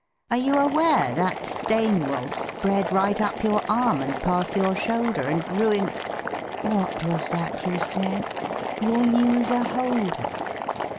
Are you aware that stain will spread Right up your arm and past your shoulder And ruin What was that you said ? You'll use a holder!